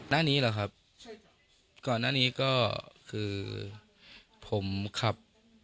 หน้านี้หรอครับ